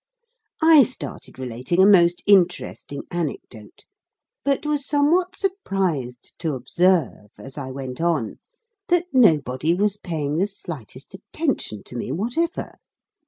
I started relating a most interesting anecdote, but was somewhat surprised to observe, as I went on, that nobody was paying the slightest attention to me whatever.